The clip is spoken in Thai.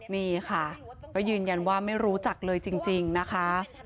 นี่ค่ะก็ยืนยันว่าไม่รู้จักเลยจริงนะคะ